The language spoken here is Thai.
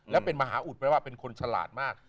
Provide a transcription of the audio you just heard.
และเป็นมหาอุดแปลว่าเป็นคนฉลาดมาก